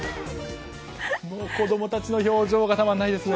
子供たちの表情がたまらないですね。